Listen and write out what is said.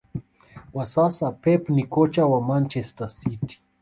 kwa sasa Pep ni kocha wa Manchester City